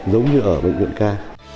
giống như ở bệnh viện ca